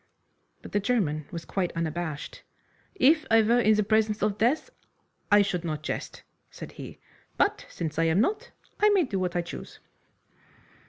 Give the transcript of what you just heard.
But the German was quite unabashed. "If I were in the presence of death I should not jest," said he, "but since I am not I may do what I choose."